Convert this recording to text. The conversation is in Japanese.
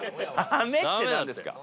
ダメってなんですか。